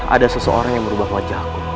ada seseorang yang merubah wajahku